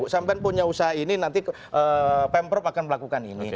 sampai punya usaha ini nanti pemprov akan melakukan ini